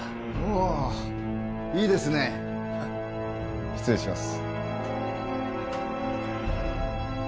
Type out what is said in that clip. あいいですね失礼します